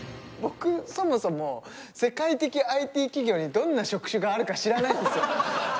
僕そもそも世界的ＩＴ企業にどんな職種があるか知らないんですよ。